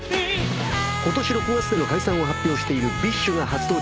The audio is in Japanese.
今年６月での解散を発表しているＢｉＳＨが初登場。